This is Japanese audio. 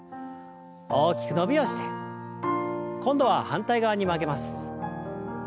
大きく伸びをして今度は反対側に曲げます。